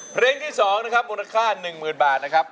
เพลงที่สองนะครับมูลค่า๑หมื่นบาทนะครับ